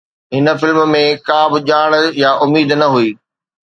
هن فلم ۾ ڪا به ڄاڻ يا اميد نه هئي